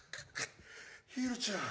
ひるちゃん。